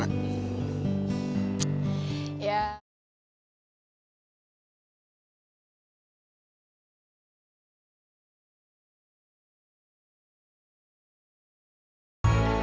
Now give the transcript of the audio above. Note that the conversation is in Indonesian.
aku udah lihat